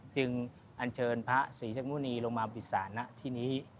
จึงอัญเชิญพระศรีศักยมูนีลงมาปริศาลนะที่นี้